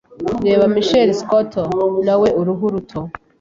Reba Michael Scotto nawe uruhu ruto